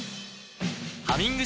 「ハミング」